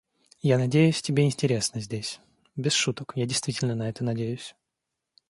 Я надеюсь, тебе интересно здесь. Без шуток, я действительно на это надеюсь.